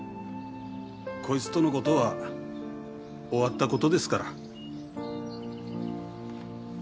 こいつとのことは終わったことですから。